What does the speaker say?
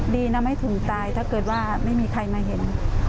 ดีนะไม่ถึงตายถ้าเกิดว่าไม่มีใครมาเห็น